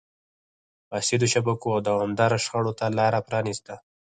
فاسدو شبکو او دوامداره شخړو ته لار پرانیسته.